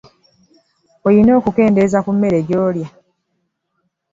Olina okukendeeza ku mmere gy'olya.